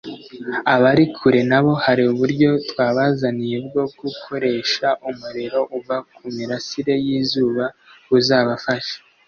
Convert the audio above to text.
abari kure nabo hari uburyo twabazaniye bwo gukoresha umuriro uva ku mirasire y’izuba buzabafasha